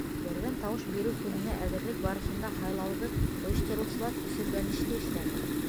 — Берҙәм тауыш биреү көнөнә әҙерлек барышында һайлауҙы ойоштороусылар көсөргәнешле эшләне.